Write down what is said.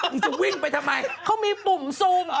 มันจะวิ่งไปทำไมก็มีปุ่มซูม